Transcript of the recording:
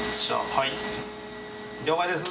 はい了解です